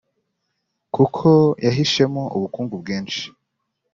kuko yihishemo ubukungu bwinshi